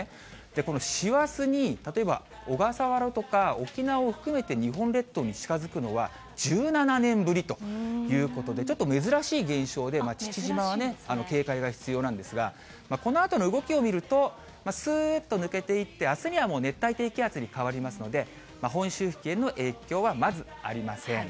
この師走に例えば、小笠原とか沖縄を含めて日本列島に近づくのは１７年ぶりということで、ちょっと珍しい現象で、父島は警戒が必要なんですが、このあとの動きを見ると、すーっと抜けていって、あすにはもう熱帯低気圧に変わりますので、本州付近への影響はまずありません。